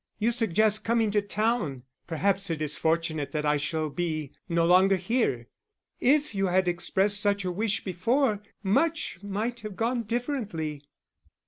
You suggest coming to town perhaps it is fortunate that I shall be no longer here. If you had expressed such a wish before, much might have gone differently.